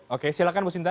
oke silakan bu sinta